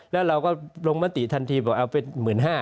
แล้วเราก็ลงมาติทันทีบอกเอาเป็นหมื่นห้า